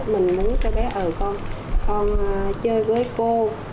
mình muốn cho bé con chơi với cô